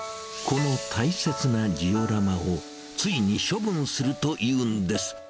この大切なジオラマを、ついに処分するというんです。